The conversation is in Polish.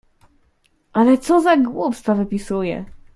"Ale co za głupstwa wypisuję!"